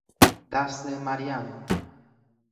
دست مریم